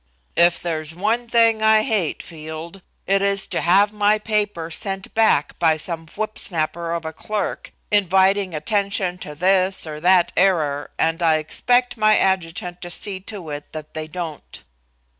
"If there's one thing I hate, Field, it is to have my papers sent back by some whipsnapper of a clerk, inviting attention to this or that error, and I expect my adjutant to see to it that they don't."